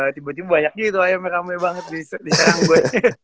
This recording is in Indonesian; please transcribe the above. tiba tiba banyaknya itu ayamnya rame banget diserang gue